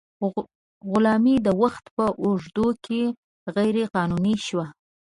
غلامي د وخت په اوږدو کې غیر قانوني شوه.